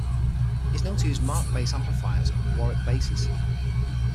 He is known to use Markbass amplifiers and Warwick basses.